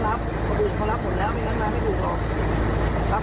มาทำอะไรมา